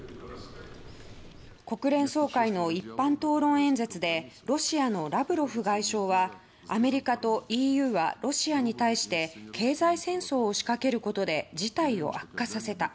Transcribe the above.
国連総会の一般討論演説でロシアのラブロフ外相はアメリカとＥＵはロシアに対して経済戦争を仕掛けることで事態を悪化させた。